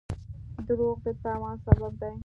دروغ د تاوان سبب دی.